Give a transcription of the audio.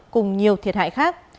cùng nhiều thiệt hại khác